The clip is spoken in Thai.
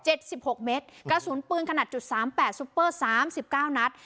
สิบหกเมตรกระสุนปืนขนาดจุดสามแปดซุปเปอร์สามสิบเก้านัด